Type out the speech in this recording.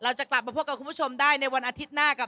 เราจะกลับมาพบกับคุณผู้ชมได้ในวันอาทิตย์หน้ากับ